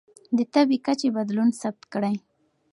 د تبه کچه بدلون ثبت کړئ.